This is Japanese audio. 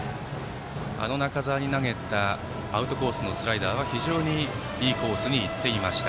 中澤に投げたアウトコースのスライダーは非常にいいコースに行っていました。